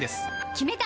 決めた！